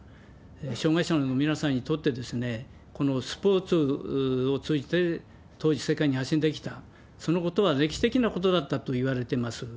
障害者の皆さんにとって、このスポーツを通じて、当時、世界に発信できた、そのことは歴史的なことだったといわれてます。